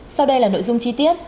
sau đây là nội dung chi tiết